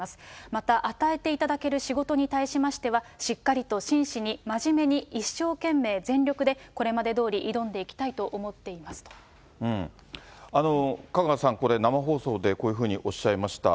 また与えていただける仕事に対しましては、しっかりと真摯に、真面目に、一生懸命、全力で、これまでどおり挑んでいきたいと思っ香川さん、これ生放送でこういうふうにおっしゃいました。